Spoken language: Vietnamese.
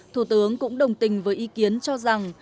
thủ tướng cũng đồng tình với ý kiến cho rằng